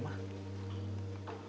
nggak tahu pak